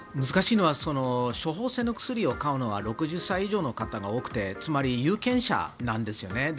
難しいのは処方せんの薬を買うのは６０歳以上の方が多くてつまり有権者なんですよね。